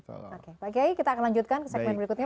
oke kita akan lanjutkan ke segmen berikutnya